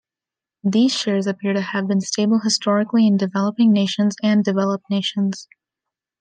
These shares appear to have been stable historically in developing nations, and developed nations.